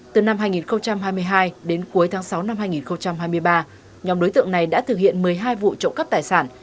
từ năm hai nghìn hai mươi hai đến cuối tháng sáu năm hai nghìn hai mươi ba nhóm đối tượng này đã thực hiện một mươi hai vụ trộm cắp tài sản